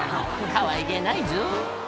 かわいげないぞ」